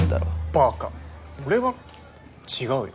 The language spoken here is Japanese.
バカ俺は違うよ